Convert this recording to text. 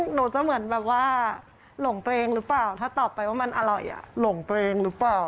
หนูจะเหมือนแบบว่าหลงตัวเองหรือเปล่า